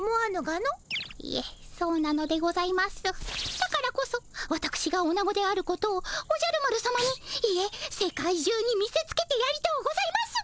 だからこそわたくしがオナゴであることをおじゃる丸さまにいえ世界中に見せつけてやりとうございます。